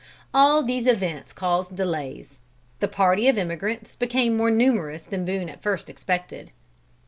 All these events caused delays. The party of emigrants became more numerous than Boone at first expected.